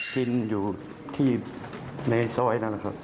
กินอยู่ที่ในซ้อยนั่นครับ